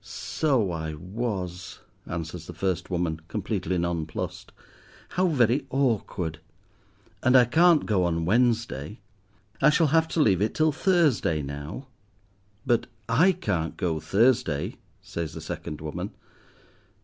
"So I was," answers the first woman, completely non plussed. "How very awkward, and I can't go on Wednesday. I shall have to leave it till Thursday, now." "But I can't go Thursday," says the second woman.